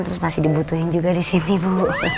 terus masih dibutuhin juga di sini bu